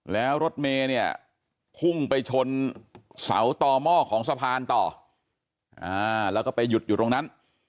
แล้วรถเมย์เนี่ยพุ่งไปชนเสาต่อหม้อของสะพานต่อแล้วก็ไปหยุดอยู่ตรงนั้น